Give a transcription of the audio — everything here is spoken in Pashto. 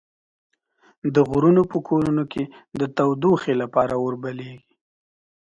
د غرونو په کورونو کې د تودوخې لپاره اور بليږي.